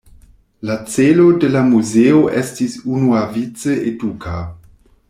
La celo de la muzeo estis unuavice eduka.